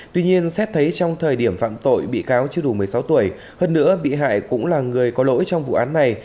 tuy nhiên xét thấy trong thời điểm phạm tội bị cáo chưa đủ một mươi sáu tuổi hơn nữa bị hại cũng là người có lỗi trong vụ án này